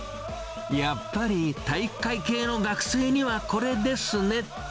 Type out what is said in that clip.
やっぱり体育会系の学生にはこれですね。